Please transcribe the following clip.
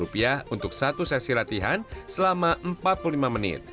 rp lima puluh untuk satu sesi latihan selama empat puluh lima menit